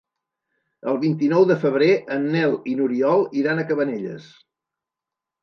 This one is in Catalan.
El vint-i-nou de febrer en Nel i n'Oriol iran a Cabanelles.